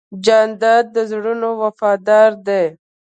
جانداد د زړونو وفادار دی.